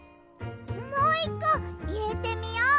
もう１こいれてみよう。